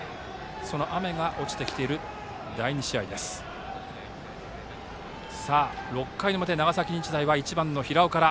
その雨が落ちてきている第２試合６回の表、長崎日大は１番の平尾から。